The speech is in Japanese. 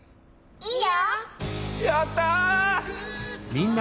いいよ。